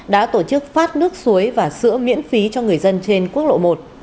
đã tổ chức phát nước suối và sữa miễn phí cho người dân trên quốc lộ một